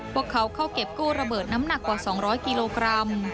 พวกเขาเข้าเก็บกู้ระเบิดน้ำหนักกว่า๒๐๐กิโลกรัม